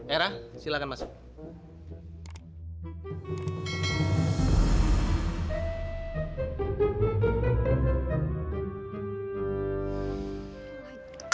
erah silakan masuk